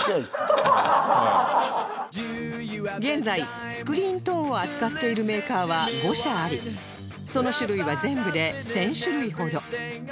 現在スクリーントーンを扱っているメーカーは５社ありその種類は全部で１０００種類ほど